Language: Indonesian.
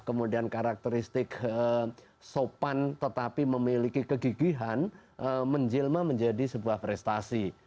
kemudian karakteristik sopan tetapi memiliki kegigihan menjelma menjadi sebuah prestasi